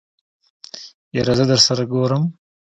يره زه درسره ګورم.